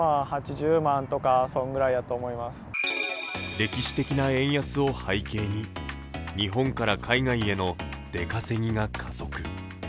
歴史的な円安を背景に日本から海外への出稼ぎが加速。